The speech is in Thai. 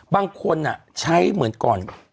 บางคนใช้เหมือนก่อน